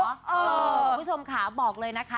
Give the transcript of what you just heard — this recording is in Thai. คุณผู้ชมค่ะบอกเลยนะคะ